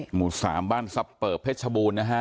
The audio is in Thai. หมู่สามบ้านทรัพย์เปิบเพชรชบูรณ์นะฮะ